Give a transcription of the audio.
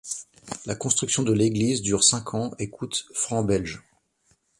La construction de l'église dure cinq ans et coûte francs belges.